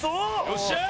よっしゃー！